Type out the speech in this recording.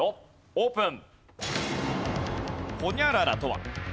オープン。